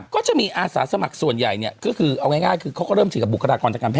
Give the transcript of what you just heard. ก็จะมีอาสาสมัครส่วนใหญ่เนี่ย